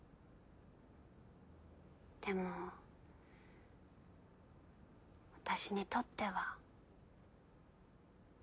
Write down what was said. でも私にとっては。